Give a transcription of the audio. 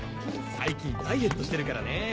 最近ダイエットしてるからね。